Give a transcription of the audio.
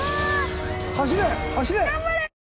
走れ走れ！